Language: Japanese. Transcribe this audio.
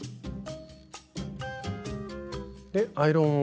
でアイロンを。